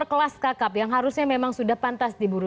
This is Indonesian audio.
kelas kakap yang harusnya memang sudah pantas diburu